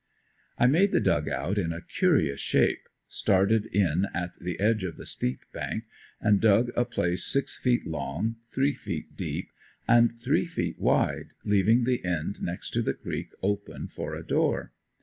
I made the dug out in a curious shape; started in at the edge of the steep bank and dug a place six feet long, three deep and three wide, leaving the end next to the creek open for a door.